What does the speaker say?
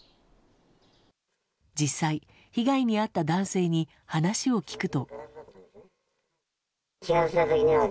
実際、被害に遭った男性に話を聞くと。